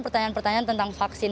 pertanyaan pertanyaan tentang vaksin